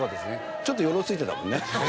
ちょっとよろついてたもんね。